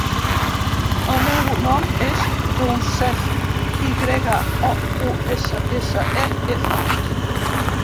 El meu nom és Youssef: i grega, o, u, essa, essa, e, efa.